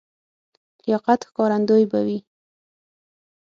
لیاقت ښکارندوی به وي.